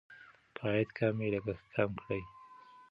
که عاید کم وي لګښت کم کړئ.